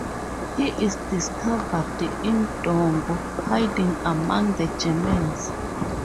He is discovered in Dongo hiding among the Germans.